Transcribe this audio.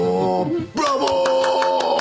ブラボー！